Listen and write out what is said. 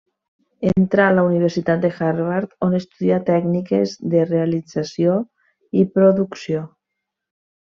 Entrà a la Universitat Harvard on estudià tècniques de realització i producció.